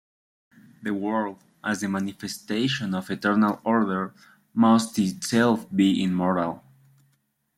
The world, as the manifestation of eternal order, must itself be immortal.